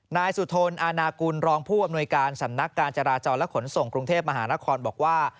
นายสุธนอาณากุลรองผู้อำนวยการสำนักการจราจรและขนส่งกรุงเทพมหานครบอกว่า